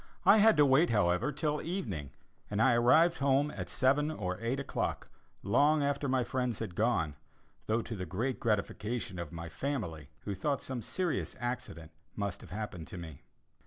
I had to wait, however, till evening, and I arrived home at seven or eight o'clock, long after my friends had gone, though to the great gratification of my family, who thought some serious accident must have happened to me.